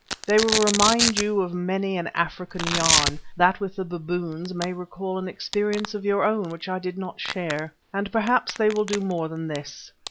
They will remind you of many an African yarn—that with the baboons may recall an experience of your own which I did not share. And perhaps they will do more than this.